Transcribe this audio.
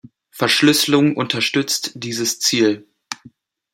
Verschlüsselung unterstützt dieses Ziel.